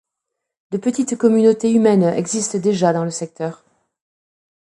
De petites communautés humaines existent déjà dans le secteur.